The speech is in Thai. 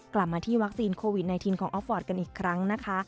กลับมาที่วัคซีนโควิด๑๙ของออฟฟอร์ตกันอีกครั้งนะคะ